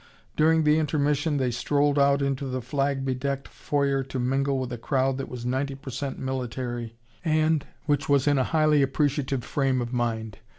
During the intermission they strolled out into the flag bedecked foyer to mingle with a crowd that was ninety per cent military and which was in a highly appreciative frame of mind.